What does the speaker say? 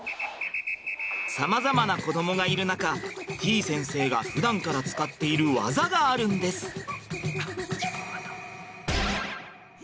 さまざまな子どもがいる中てぃ先生がふだんから使っている技があるんです！